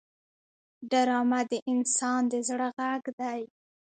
ډرامه د انسان د زړه غږ دی